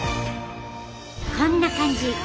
こんな感じ。